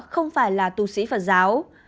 không phải là tu sĩ phật giáo